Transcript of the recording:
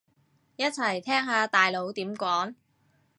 一齊聽下大佬點講